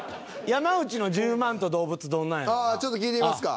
山内の１０万と動物どんなんやろか。